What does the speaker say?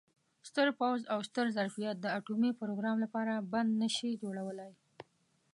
ستر پوځ او ستر ظرفیت د اټومي پروګرام لپاره بند نه شي جوړولای.